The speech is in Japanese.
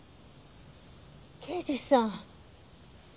刑事さん。